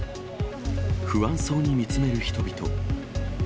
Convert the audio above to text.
不安そうに見つめる人々。